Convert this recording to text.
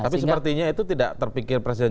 tapi sepertinya itu tidak terpikir presiden